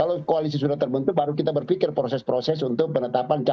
kalau koalisi sudah terbentuk baru kita berpikir proses proses untuk penetapan